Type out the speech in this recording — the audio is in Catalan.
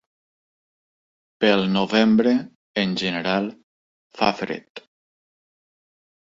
Pel novembre en general fa fred.